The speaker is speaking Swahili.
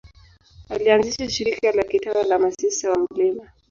Alianzisha shirika la kitawa la Masista wa Mt.